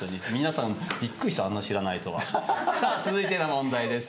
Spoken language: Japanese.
さぁ続いての問題です。